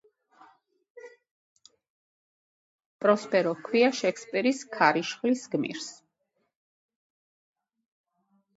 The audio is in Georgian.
პროსპერო ჰქვია შექსპირის „ქარიშხალის“ გმირს.